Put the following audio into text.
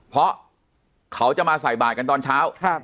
เพราะเขาจะมาใส่บาทกันตอนเช้า